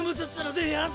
でやんす。